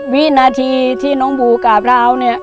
วินาทีที่น้องบูกราบเท้าเนี่ย